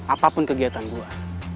apapun kegiatan gue